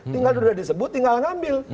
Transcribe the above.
tinggal sudah disebut tinggal ngambil